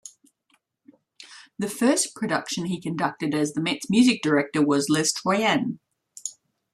The first production he conducted as the Met's music director was "Les Troyens".